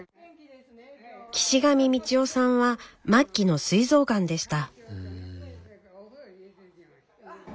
岸上道夫さんは末期のすい臓がんでした。